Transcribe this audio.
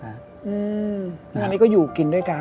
อันนี้ก็อยู่กินด้วยกัน